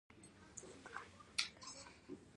کور باید کړکۍ ولري